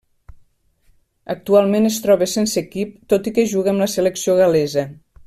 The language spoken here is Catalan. Actualment es troba sense equip, tot i que juga amb la selecció gal·lesa.